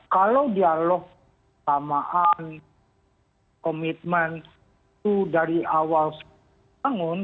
kalau dialog samaan komitmen itu dari awal tanggung